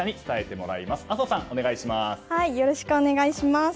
よろしくお願いします。